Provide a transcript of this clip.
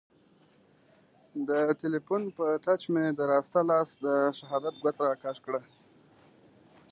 د تیلیفون په ټچ مې د راسته لاس د شهادت ګوته را کش کړه.